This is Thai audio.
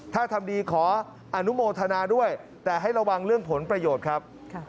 ถ้าทำดีขออนุโมทนาด้วยแต่ให้ระวังเรื่องผลประโยชน์ครับ